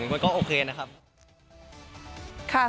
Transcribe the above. มันก็โอเคนะครับ